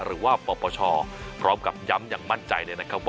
หรือว่าปปชพร้อมกับย้ำอย่างมั่นใจ